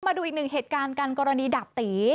มาดูอีกหนึ่งเหตุการณ์กันกรณีดาบตี